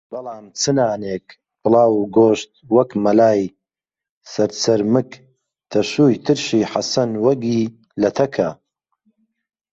بەڵام چ نانێک، پڵاو گشت وەک مەلای سەرچەرمگ تەشوی ترشی حەسەن وەگی لە تەکا